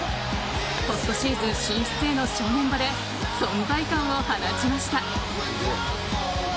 ポストシーズン進出への正念場で存在感を放ちました。